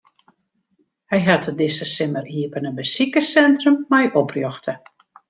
Hy hat it dizze simmer iepene besikerssintrum mei oprjochte.